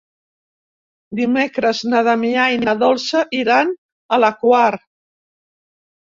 Dimecres na Damià i na Dolça iran a la Quar.